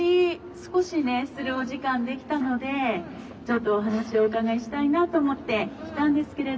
少しねするお時間できたのでちょっとお話をお伺いしたいなと思って来たんですけれど。